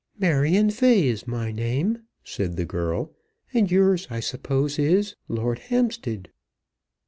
"Marion Fay is my name," said the girl, "and yours, I suppose is Lord Hampstead."